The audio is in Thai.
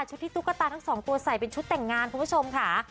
ที่ตุ๊กตาทั้งสองตัวใส่เป็นชุดแต่งงานคุณผู้ชมค่ะ